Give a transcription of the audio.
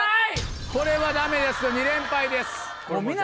これはダメです２連敗です。